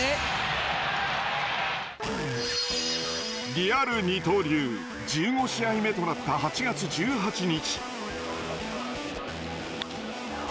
リアル二刀流１５試合目となった８月１８日。